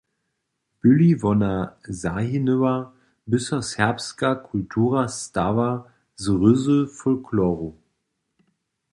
By-li wona zahinyła, by so serbska kultura stała z ryzy folkloru.